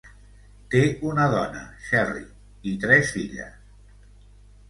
Té una dona, Sherri, i tres filles.